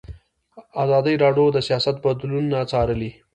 ازادي راډیو د سیاست بدلونونه څارلي.